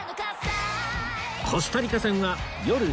コスタリカ戦はよる